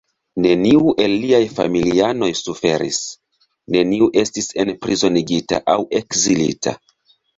Neniu el liaj familianoj suferis; neniu estis enprizonigita aŭ ekzilita.